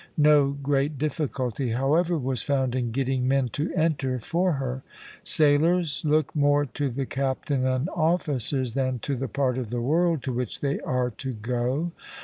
No great difficulty, however, was found in getting men to enter for her. Sailors look more to the captain and officers than to the part of the world to which they are to go.